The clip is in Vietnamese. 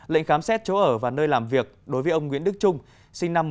lệnh khám xét chỗ ở và nơi làm việc đối với ông nguyễn đức trung sinh năm một nghìn chín trăm tám mươi